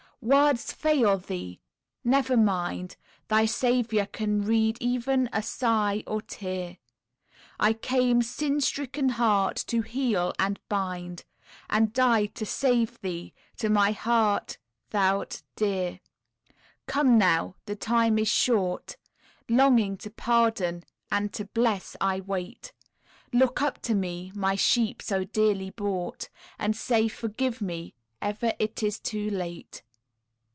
Words fail thee never mind, Thy Saviour can read e'en a sigh, or tear; I came, sin stricken heart, to heal and bind, And died to save thee to My heart thou'rt dear. Come now the time is short, Longing to pardon and to bless, I wait; Look up to Me, My sheep so dearly bought, And say, "forgive me, e'er it is too late."